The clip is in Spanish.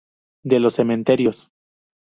De los cementerios.